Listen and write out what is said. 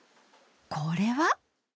これは。